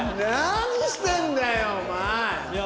何してんだよお前！